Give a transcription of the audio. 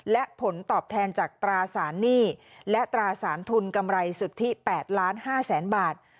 และผลตอบแทนจากตราสารหนี้และตราสารทุนกำไรสุทธิ๘๕๐๐๐๐บาท